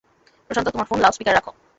প্রশান্ত, তোমার ফোন লাউডস্পিকারে রাখ।